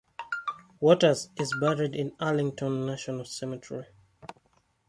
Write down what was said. Watters is buried in Arlington National Cemetery.